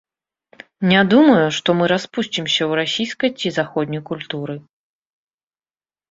Не думаю, што мы распусцімся ў расійскай ці заходняй культуры.